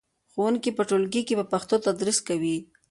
ښوونکي په ټولګي کې په پښتو تدریس کوي.